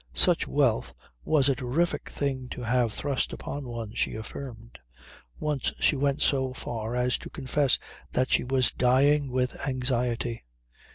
Such wealth was a terrific thing to have thrust upon one she affirmed. Once she went so far as to confess that she was dying with anxiety. Mr.